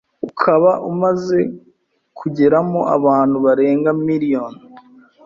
ukaba umaze kugeramo abantu barenga miriyoni.